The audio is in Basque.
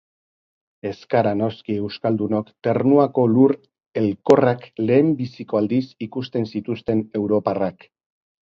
Ez gara noski euskaldunok Ternuako lur elkorrak lehenbiziko aldiz ikusi zituzten europarrak.